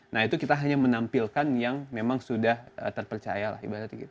nah itu kita hanya menampilkan yang memang sudah terpercaya lah ibaratnya gitu